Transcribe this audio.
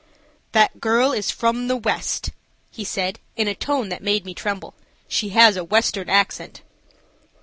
"That girl is from the west," he said, in a tone that made me tremble. "She has a western accent."